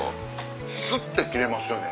スッて切れますよね。